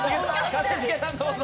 一茂さんどうぞ。